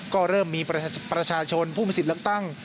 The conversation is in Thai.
ก็เริ่มมีประชาชนผู้มีสิทธิ์เลือกตั้ง